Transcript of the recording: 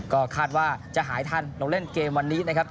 ก็คาดว่าจะหายทันลงเล่นเกมวันนี้นะครับ